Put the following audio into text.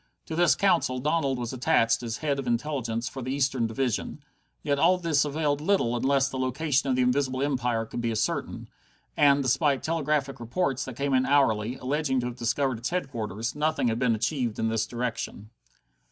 To this Council Donald was attached as head of Intelligence for the Eastern Division. Yet all this availed little unless the location of the Invisible Empire could be ascertained, and, despite telegraphic reports that came in hourly, alleging to have discovered its headquarters, nothing had been achieved in this direction.